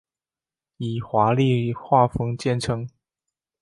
以华丽画风见称。